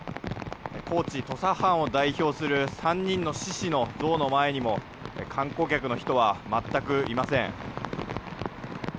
高知土佐藩を代表する３人の志士の像の前にも観光客の人は全くいません。